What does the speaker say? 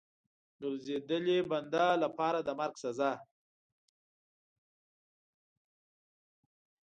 ګرځېدلي بنده لپاره د مرګ سزا.